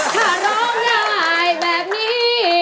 ถ้าร้องได้แบบนี้